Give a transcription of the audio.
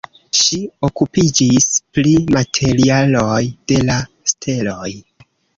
Ŝi okupiĝis pri materialoj de la steloj.